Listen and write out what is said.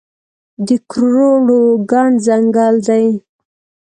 د کروړو ګڼ ځنګل دی